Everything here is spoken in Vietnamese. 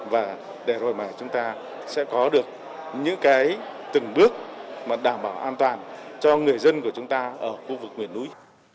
và để rồi mà chúng ta sẽ có được những cái từng bước mà đảm bảo an toàn cho người dân của chúng ta ở khu vực miền núi